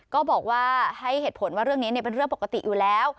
ก็บอกว่าให้เหตุผลว่าเรื่องนี้เป็นเรื่องปกติอยู่แล้ว